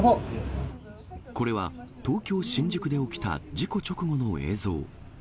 これは東京・新宿で起きた事故直後の映像。